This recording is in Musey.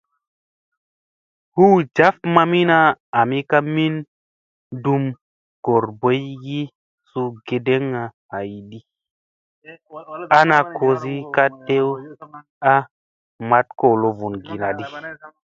Hu jaf mamina, ami ka min ɗum goorboygi suu gedeŋ haydi ana kosi ka tew a maɗ kolo vunginadi.